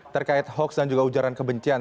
terkait hoax dan juga ujaran kebencian